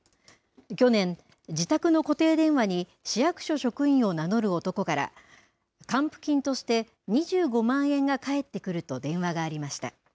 去年、自宅の固定電話に市役所職員を名乗る男から還付金として２５万円が返ってくると電話がありました。